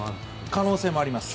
可能性もあります。